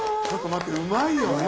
ちょっと待ってうまいよ！